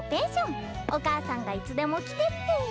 お母さんがいつでも来てって。